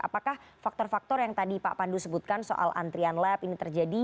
apakah faktor faktor yang tadi pak pandu sebutkan soal antrian lab ini terjadi